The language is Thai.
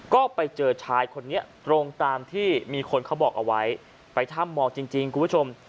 ก็ไปเจอชายคนนี้ตรงตามที่มีคนเขาบอกเอาไว้ไปถ้ำมองจริงคุณผู้ชม